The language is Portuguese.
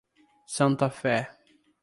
Santa Fé